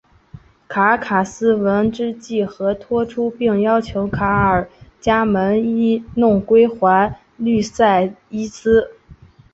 卡尔卡斯闻之即和盘托出并要求阿伽门侬归还克律塞伊斯。